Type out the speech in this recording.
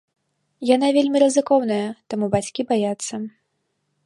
Яна вельмі рызыкоўная, таму бацькі баяцца.